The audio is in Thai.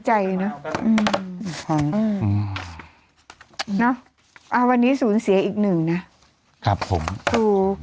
ใจนะอาวันนี้สูญเสียอีกหนึ่งนะครับผมครู